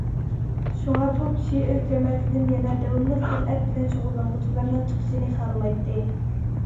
شۇڭا بۇ كىشى ئۆز جەمەتىدىن يەنە داۋاملىق سەنئەت بىلەن شۇغۇللانغۇچىلارنىڭ چىقىشىنى خالىمايتتى.